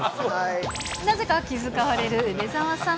なぜか気遣われる梅澤さん。